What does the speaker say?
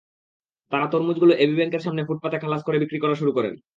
তাঁরা তরমুজগুলো এবি ব্যাংকের সামনে ফুটপাতে খালাস করে বিক্রি করা শুরু করেন।